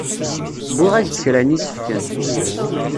Wwiɣ-ak-d kra n yisefken.